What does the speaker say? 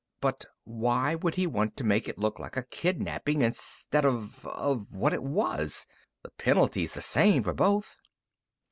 "But why would he want to make it look like a kidnaping instead of ... of what it was? The penalty's the same for both."